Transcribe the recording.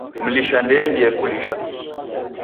Mlisha ndeendie kulisha.